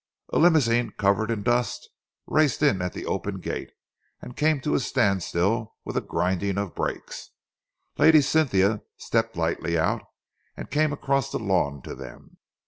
A limousine covered in dust raced in at the open gates and came to a standstill with a grinding of brakes. Lady Cynthia stepped lightly out and came across the lawn to them.